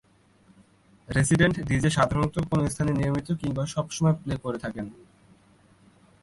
Resident DJ সাধারণত কোনো স্থানে নিয়মিত কিংবা সবসময় প্লে করে থাকেন।